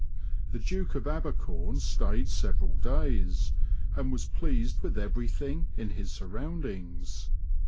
The Duke of Abercom stayed several days, and was pleased with everything in his surroundings.